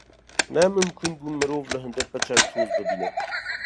’’Ne mimkun bû ku mirov li hundir piçek toz bibîne.